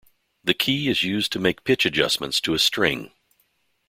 The key is used to make pitch adjustments to a string.